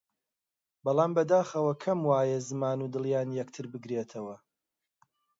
بەڵام بەداخەوە کەم وایە زمان و دڵیان یەکتر بگرێتەوە!